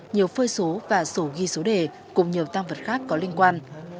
nhiều phơi số và sổ ghi số đề cùng nhiều tam vật khác có liên quan